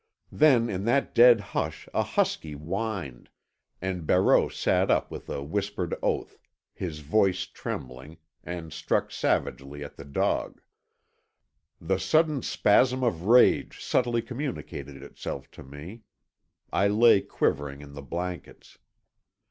Then in that dead hush a husky whined, and Barreau sat up with a whispered oath, his voice trembling, and struck savagely at the dog. The sudden spasm of rage subtly communicated itself to me. I lay quivering in the blankets.